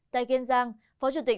tại kiên giang phó chủ tịch